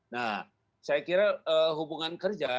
nah saya kira hubungan kerja